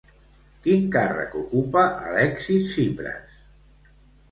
Quin càrrec ocupa Alexis Tsipras?